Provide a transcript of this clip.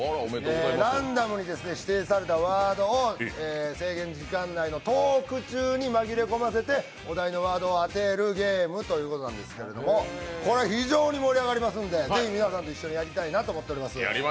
ランダムに指定されたワードを制限時間内のトーク中に紛れ込ませてお題のワードを当てるゲームなんですけど、これ、非常に盛り上がりますので、ぜひ皆さんで一緒にやりたいなと思っています。